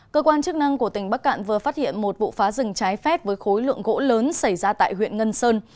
cơ quan chức năng của tỉnh bắc cạn vừa phát hiện một vụ phá rừng trái phép với khối lượng gỗ lớn xảy ra tại huyện ngân sơn